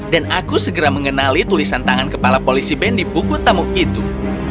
dan aku segera mengenali tulisan tangan kepala polisi ben di buku tamu itu